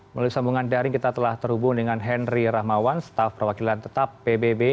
melalui sambungan daring kita telah terhubung dengan henry rahmawan staf perwakilan tetap pbb